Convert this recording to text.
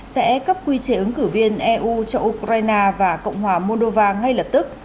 sẽ cấp quy chế ứng cử viên eu cho ukraine và cộng hòa moldova ngay lập tức